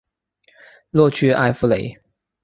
洛屈埃夫雷。